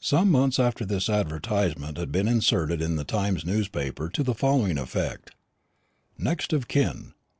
Some months after this an advertisement had been inserted in the Times newspaper to the following effect: "NEXT OF KIN.